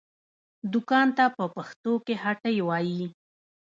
دوکان ته په پښتو کې هټۍ وايي